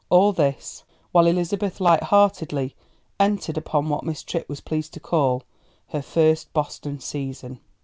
All this, while Elizabeth light heartedly entered upon what Miss Tripp was pleased to call her "first Boston season."